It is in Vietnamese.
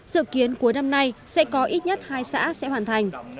dự kiến cuối năm nay sẽ có ít nhất hai xã sẽ hoàn thành